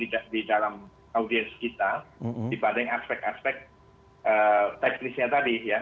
di dalam audiens kita dibanding aspek aspek teknisnya tadi ya